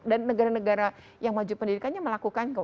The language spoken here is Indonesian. dan negara negara yang wajib pendidikannya melakukan